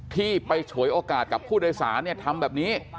ที่ไปฉวยโอกาสกับผู้โดยสารทำแบบนี้